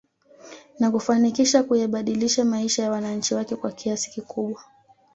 Na kufanikisha kuyabadilisha maisha ya wananchi wake kwa kiasi kikubwa